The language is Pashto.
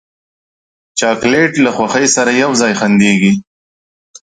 چاکلېټ له خوښۍ سره یو ځای خندېږي.